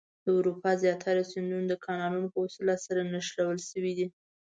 د اروپا زیاتره سیندونه د کانالونو په وسیله سره نښلول شوي دي.